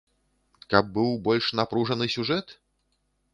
Каб быў больш напружаны сюжэт?